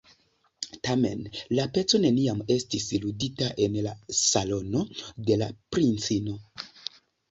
Tamen la peco neniam estis ludita en la salono de la princino.